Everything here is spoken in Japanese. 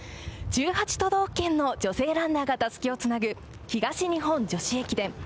１８都道県の女性ランナーがたすきをつなぐ東日本女子駅伝。